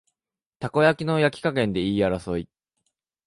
たこ焼きの焼き加減で言い争い